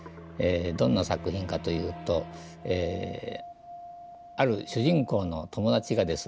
どんな作品かというとある主人公の友達がですね